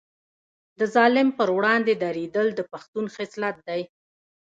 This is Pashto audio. د ظالم پر وړاندې دریدل د پښتون خصلت دی.